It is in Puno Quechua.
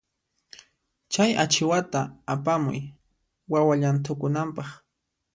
Chay achiwata apamuy wawa llanthukunanpaq.